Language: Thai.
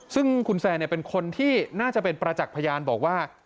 ซึ่งคุณแซนเป็นคนที่น่าจะเป็นประจักษ์พยานบอกว่า